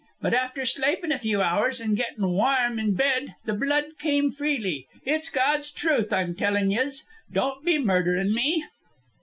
But after slapin' a few hours an' gettin' warm in bed the blood came freely. It's God's truth I'm tellin' yez. Don't be murderin' me!"